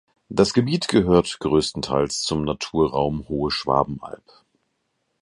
Das Gebiet gehört größtenteils zum Naturraum Hohe Schwabenalb.